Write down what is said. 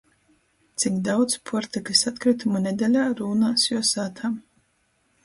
Cik daudz puortykys atkrytumu nedeļā rūnās juo sātā?